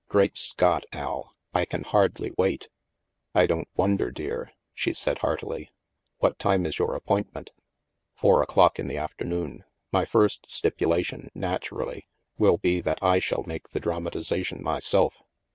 Great Scott, Al, I can hardly wait." " I don't wonder, dear," she said heartily. " What time is your appointment? "" Four o'clock in the afternoon. My first stipula tion, naturally, will be that I shall make the dram atization myself.